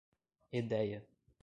Edéia